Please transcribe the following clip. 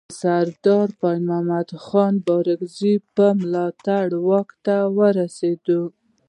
د سردار پاینده محمد خان بارکزي په ملاتړ واک ته ورسېد.